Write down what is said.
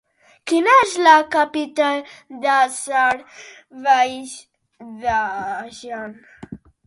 Quina és la capital d'Azerbaidjan?